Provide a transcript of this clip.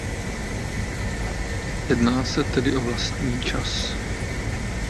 Jedná se tedy o vlastní čas.